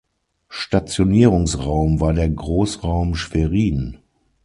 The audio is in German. Stationierungsraum war der Großraum Schwerin.